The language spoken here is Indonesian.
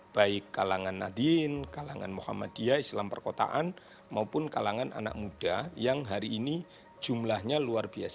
baik kalangan nadiin kalangan muhammadiyah islam perkotaan maupun kalangan anak muda yang hari ini jumlahnya luar biasa